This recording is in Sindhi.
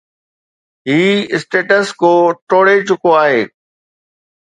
هي اسٽيٽس ڪو ٽوڙي چڪو آهي.